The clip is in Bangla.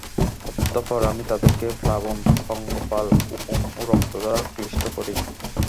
অতঃপর আমি তাদেরকে প্লাবন, পঙ্গপাল, উকুন ও রক্ত দ্বারা ক্লিষ্ট করি।